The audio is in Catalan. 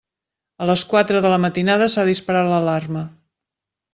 A les quatre de la matinada s'ha disparat l'alarma.